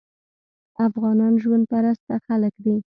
افغانان ژوند پرسته خلک دي.